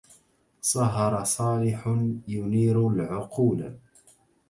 سهر صالح ينير العقولا